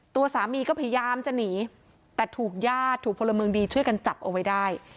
ตัวสามีก็พยายามจะหนีแต่ถูกญาติถูกพลเมืองดีช่วยกันจับเอาไว้ได้